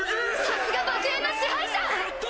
さすが爆炎の支配者！